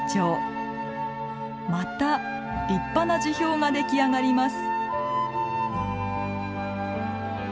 また立派な樹氷が出来上がります。